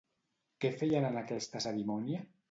Què feien en aquesta cerimònia?